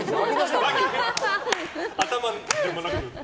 頭でもなく？